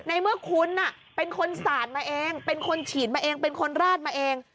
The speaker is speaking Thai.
ในเมื่อคุณเป็นคนสาดมาเองเป็นคนฉีดมาเองเป็นคนราดมาเอง